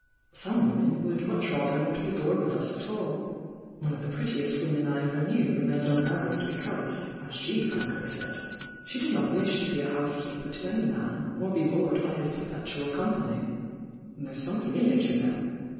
Some women would much rather not be bored with us at all. One of the prettiest women I ever knew remained unmarried because, as she frankly said, she did not wish to be a housekeeper to any man or be bored by his perpetual company. 1 here s something in it, you know